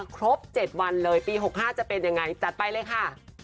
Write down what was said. ครบ๗วันเลยปี๖๕จะเป็นยังไงจัดไปเลยค่ะ